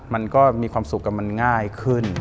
มันก็มีความสุขกับมันง่ายขึ้น